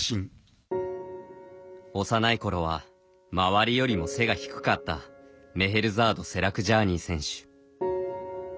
幼いころは周りよりも背が低かったメヘルザードセラクジャーニー選手。